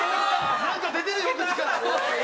なんか出てるよ口から！